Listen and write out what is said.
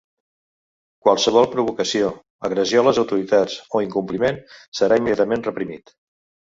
Qualsevol provocació, agressió a les autoritats o incompliment serà immediatament reprimit.